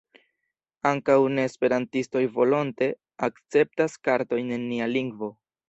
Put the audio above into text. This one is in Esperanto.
Ankaŭ ne-esperantistoj volonte akceptas kartojn en nia lingvo.